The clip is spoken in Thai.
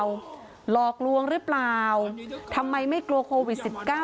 หลอกลวงหรือเปล่าทำไมไม่กลัวโควิด๑๙